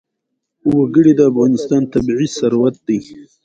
وګړي د افغانستان طبعي ثروت دی.